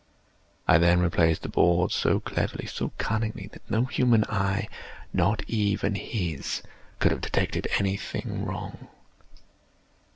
I then replaced the boards so cleverly, so cunningly, that no human eye—not even his—could have detected any thing wrong.